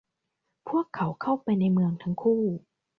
พวกเขาเข้าไปในเมืองทั้งคู่